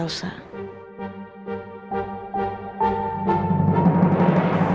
pesan dari elsa